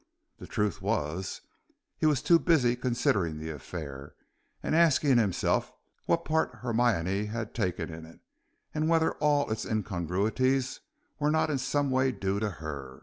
The truth was, he was too busy considering the affair, and asking himself what part Hermione had taken in it, and whether all its incongruities were not in some way due to her.